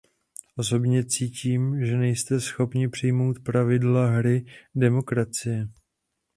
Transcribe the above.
Osobně cítím, že nejste schopni přijmout pravidla hry demokracie.